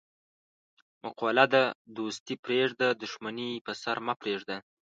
مقوله ده: دوستي پرېږده، دښمني په سر مه پرېږده.